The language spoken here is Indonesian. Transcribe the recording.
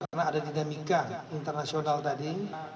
karena ada dinamika internasional tadi